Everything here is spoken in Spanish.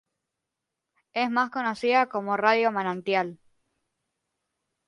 Es más conocida como Radio Manantial.